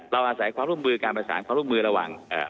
อาศัยความร่วมมือการประสานความร่วมมือระหว่าง